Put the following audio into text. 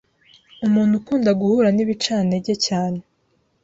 Umuntu ukunda guhura n’ibicantege cyane